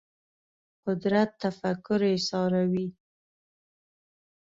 قدرت تفکر ایساروي